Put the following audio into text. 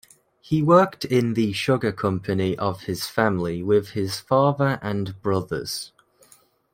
He worked in the sugar company of his family with his father and brothers.